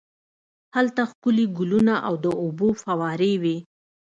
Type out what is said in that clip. هلته ښکلي ګلونه او د اوبو فوارې وې.